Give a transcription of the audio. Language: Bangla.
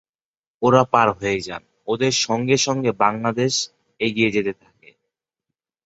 ওঁরা পার হয়ে যান, ওঁদের সঙ্গে সঙ্গে বাংলাদেশ এগিয়ে যেতে থাকে।